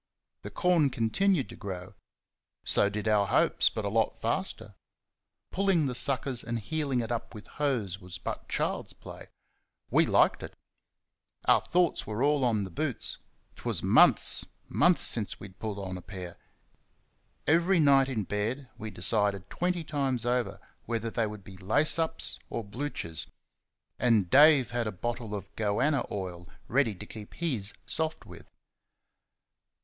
The corn continued to grow so did our hopes, but a lot faster. Pulling the suckers and "heeling it up" with hoes was but child's play we liked it. Our thoughts were all on the boots; 'twas months months since we had pulled on a pair. Every night, in bed, we decided twenty times over whether they would be lace ups or bluchers, and Dave had a bottle of "goanna" oil ready to keep his soft with.